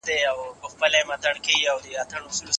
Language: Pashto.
شپږ شپېته میلیونه کاله پخوا یوې بلې تېږې د نړۍ تاریخ بدل کړ.